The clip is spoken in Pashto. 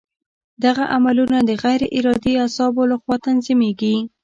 دغه عملونه د غیر ارادي اعصابو له خوا تنظیمېږي.